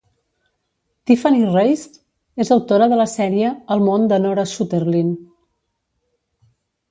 Tiffany Reisz és autora de la sèrie "El món de Nora Sutherlin"